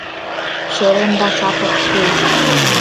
— Шеремдашат ок кӱл.